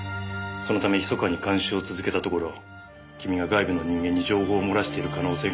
そのため密かに監視を続けたところ君が外部の人間に情報を漏らしている可能性が浮上した。